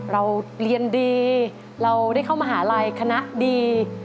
เราเรียนดีเราได้เข้ามหาลัยคณะดี